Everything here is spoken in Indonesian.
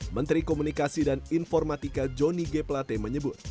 menteri komunikasi dan informatika johnny g plate menyebut